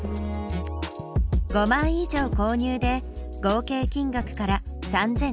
５枚以上購入で合計金額から３５００円引き。